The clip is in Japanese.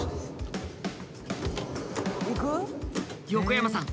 横山さん